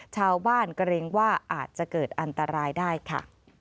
เกรงว่าอาจจะเกิดอันตรายได้ค่ะ